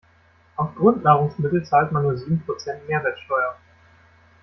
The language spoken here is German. Auf Grundnahrungsmittel zahlt man nur sieben Prozent Mehrwertsteuer.